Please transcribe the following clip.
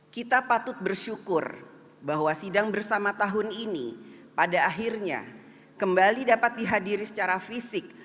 kita patut bersyukur bahwa sidang bersama tahun ini pada akhirnya kembali dapat dihadiri secara fisik